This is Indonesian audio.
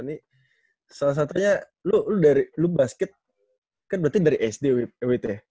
ini salah satunya lo basket kan berarti dari sd wt ya